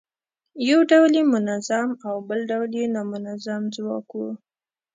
یو ډول یې منظم او بل ډول یې نامنظم ځواک و.